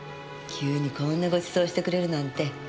急にこんなご馳走してくれるなんて。